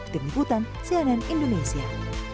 tim iputan cnn indonesia